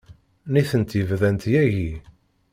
Nitenti bdant yagi.